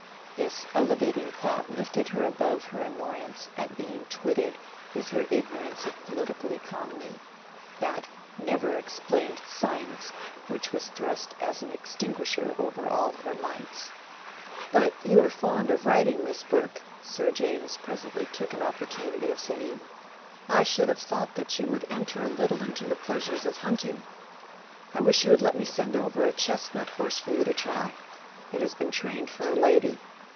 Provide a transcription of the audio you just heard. This elevating thought lifted her above her annoyance at being twitted with her ignorance of political economy, that never explained science which was thrust as an extinguisher over all her lights. "But you are fond of riding, Miss Brooke," Sir James presently took an opportunity of saying. "I should have thought you would enter a little into the pleasures of hunting. I wish you would let me send over a chestnut horse for you to try. It has been trained for a lady.